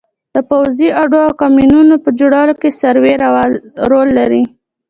د پوځي اډو او کمینونو په جوړولو کې سروې رول لري